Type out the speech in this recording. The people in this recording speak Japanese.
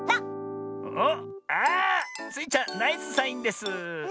おっあスイちゃんナイスサインです。